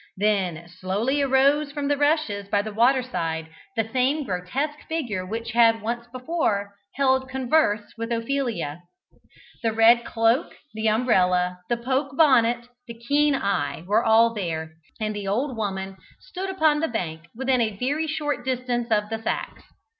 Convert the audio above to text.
Then slowly arose from the rushes by the waterside the same grotesque figure which had once before held converse with Ophelia. The red cloak, the umbrella, the poke bonnet, the keen eye, were all there, and the old woman stood upon the bank within a very short distance of the sacks.